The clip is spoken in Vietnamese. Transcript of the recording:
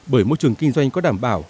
bởi môi trường kinh doanh có đảm bảo